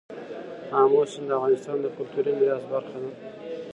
آمو سیند د افغانستان د کلتوري میراث برخه ده.